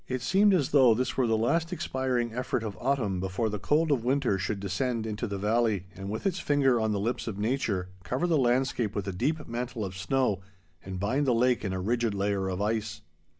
It seemed as though this were the last expiring effort of autumn before the cold of winter should descend into the valley and with its finger on the lips of nature cover the landscape with a deep mantle of snow and bind the lake in a rigid layer of ice.